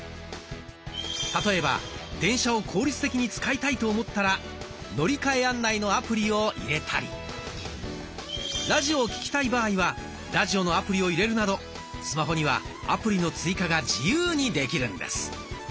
例えば電車を効率的に使いたいと思ったら乗換案内のアプリを入れたりラジオを聞きたい場合はラジオのアプリを入れるなどスマホにはアプリの追加が自由にできるんです。